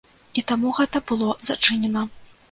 І таму гэта было зачынена.